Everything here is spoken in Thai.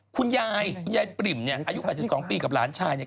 คุณยายคุณยายปริ่มเนี่ยอายุ๘๒ปีกับหลานชายเนี่ย